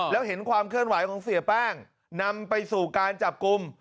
แล้วเห็นความเคลื่อนไหวของเสียแป้งนำไปสู่การจับกลุ่ม